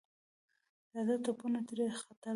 تازه تپونه ترې ختل.